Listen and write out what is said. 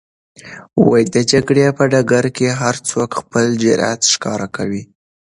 د جګړې په ډګر کې هر څوک خپل جرئت ښکاره کوي.